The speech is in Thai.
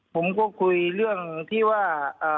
ผมก็คุยเรื่องที่ว่า